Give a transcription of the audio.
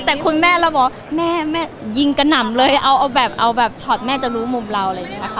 แต่คุณแม่เราบอกแม่แม่ยิงกระหน่ำเลยเอาแบบเอาแบบช็อตแม่จะรู้มุมเราอะไรอย่างนี้ค่ะ